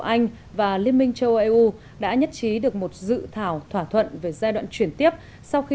anh và liên minh châu âu eu đã nhất trí được một dự thảo thỏa thuận về giai đoạn chuyển tiếp sau khi